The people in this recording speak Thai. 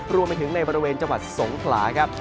รวมไปถึงในบริเวณจังหวัดสงขลาครับ